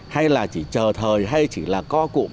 hay là chỉ chờ thời hay chỉ là co cụm